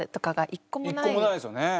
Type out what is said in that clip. １個もないですよね。